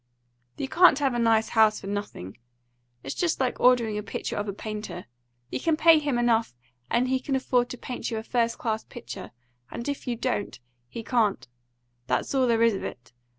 You can't have a nice house for nothing. It's just like ordering a picture of a painter. You pay him enough, and he can afford to paint you a first class picture; and if you don't, he can't. That's all there is of it.